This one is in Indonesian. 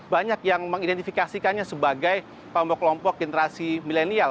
banyak yang mengidentifikasikannya sebagai klompok klompok generasi milenial